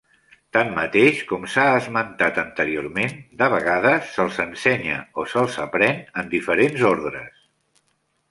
Tanmateix, com s'ha esmentat anteriorment, de vegades se'ls ensenya o se'ls aprèn en diferents ordres.